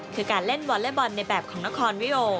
คือการเล่นวอเล็กบอลในแบบของนครวิโอ